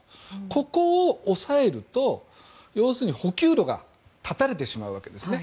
ここを押さえると要するに補給路が断たれてしまうわけですね。